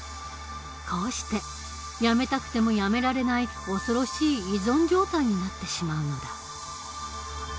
こうしてやめたくてもやめられない恐ろしい依存状態になってしまうのだ。